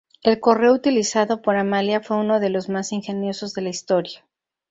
El correo utilizado por Amalia fue uno de los más ingeniosos de la historia.